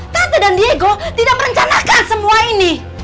tato dan diego tidak merencanakan semua ini